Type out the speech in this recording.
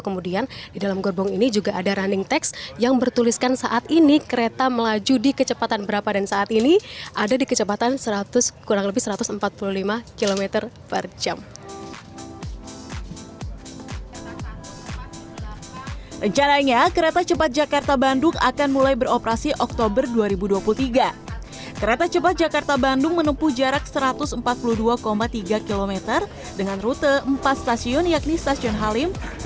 kemudian di dalam gerbong ini juga ada running text yang bertuliskan saat ini kereta melaju di kecepatan berapa dan saat ini ada di kecepatan kurang lebih satu ratus empat puluh lima km per jam